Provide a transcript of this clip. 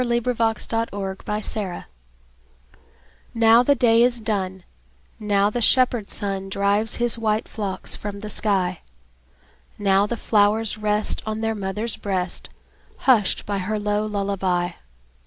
Louisa May Alcott Lullaby NOW the day is done, Now the shepherd sun Drives his white flocks from the sky; Now the flowers rest On their mother's breast, Hushed by her low lullaby.